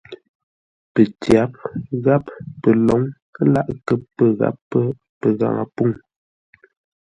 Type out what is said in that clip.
Pətyáp gháp pəlǒŋ láʼ kə pə́ gháp pə́ pəghaŋə pûŋ.